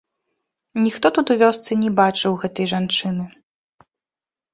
Ніхто тут у вёсцы не бачыў гэтай жанчыны.